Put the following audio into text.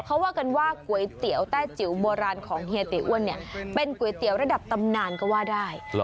เขาว่ากันว่าก๋วยเตี๋ยวแต้จิ๋วโบราณของเฮียตีอ้วนเนี่ยเป็นก๋วยเตี๋ยวระดับตำนานก็ว่าได้